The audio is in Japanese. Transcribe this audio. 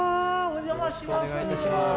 お邪魔します。